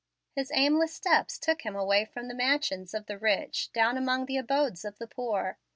His aimless steps took him away from the mansions of the rich down among the abodes of the poor.